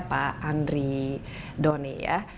pak andri doni